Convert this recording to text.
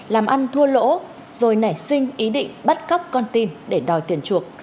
làm ăn thua lỗ rồi nảy sinh ý định bắt cóc con tin để đòi tiền chuộc